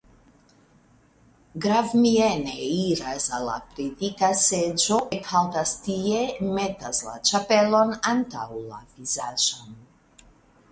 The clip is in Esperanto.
Gravmiene iras al la predika seĝo, ekhaltas tie, metas la ĉapelon antaŭ la vizaĝon.